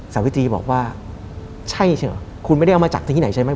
สาวิตรีบอกว่าใช่ใช่เหรอคุณไม่ได้เอามาจากที่ไหนใช่ไหม